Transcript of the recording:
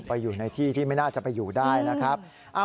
ไปอยู่ในที่ที่ไม่น่าจะไปอยู่ได้นะครับ